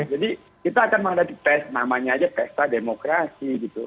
jadi kita akan menghadapi namanya aja pesta demokrasi